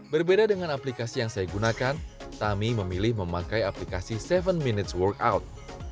berbeda dengan aplikasi yang saya gunakan tami memilih memakai aplikasi tujuh minutes workout